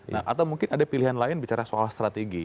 nah atau mungkin ada pilihan lain bicara soal strategi